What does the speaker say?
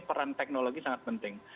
peran teknologi sangat penting